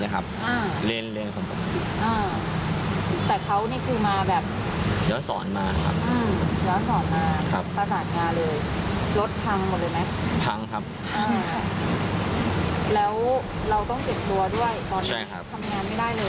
ให้เขาออกมาคุยมาพูดหน่อยว่าจะแบบรับผิดชอบในส่วนไหนได้บ้างอะไรแบบนี้ค่ะ